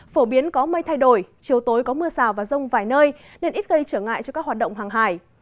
phổ biến có mây thay đổi chiều tối có mưa rào và rông vài nơi nên ít gây trở ngại cho các hoạt động hàng hải